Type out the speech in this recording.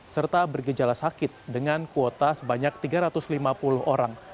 serta bergejala sakit dengan kuota sebanyak tiga ratus lima puluh orang